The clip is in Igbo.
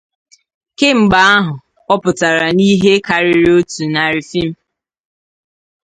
Kemgbe ahụ, ọ pụtara na ihe karịrị otu narị fim.